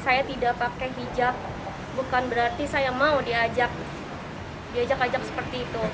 saya tidak pakai hijab bukan berarti saya mau diajak ajak seperti itu